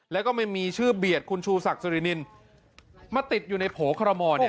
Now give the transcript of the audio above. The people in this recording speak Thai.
แล้วก็ไม่มีชื่อเบียดคุณชูศักดิรินินมาติดอยู่ในโผล่คอรมอลเนี่ย